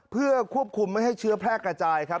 เพื่อควบคุมไม่ให้เชื้อแพร่กระจายครับ